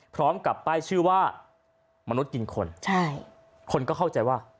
พร้อมกับป้ายชื่อว่ามนุษย์กินคนใช่คนก็เข้าใจว่า